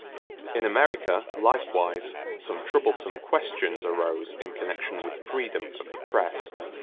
In America, likewise, some troublesome questions arose in connection with freedom of the press.